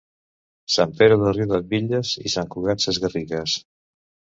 Sant Pere de Riudebitlles i Sant Cugat Sesgarrigues.